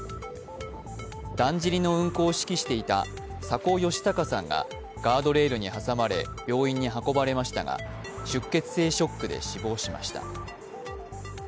だんじりの運行を指揮していた佐古吉隆さんがガードレールに挟まれ病院に運ばれましたが、出血性ショックで死亡しました。